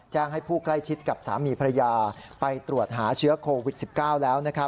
แจ้งให้ผู้ใกล้ชิดกับสามีภรรยาไปตรวจหาเชื้อโควิด๑๙แล้ว